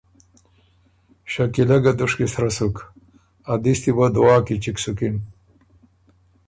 شکیلۀ ګه دُشکی سرۀ سُک، ا دِستی وه دعا کی چِګ سُکِن